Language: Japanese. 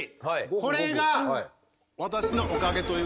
これが私のおかげということなんですよ！